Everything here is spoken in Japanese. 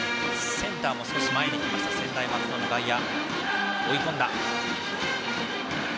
センターも少し前に来ました専大松戸の外野。